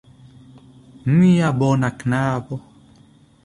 Mia bona "knabo"!